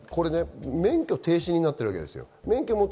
免許停止になっているわけですよ。